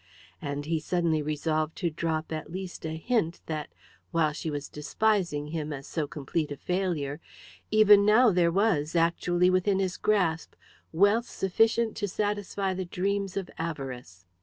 And he suddenly resolved to drop at least a hint that, while she was despising him as so complete a failure, even now there was, actually within his grasp, wealth sufficient to satisfy the dreams of avarice.